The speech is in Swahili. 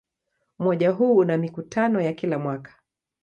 Umoja huu una mikutano ya kila mwaka.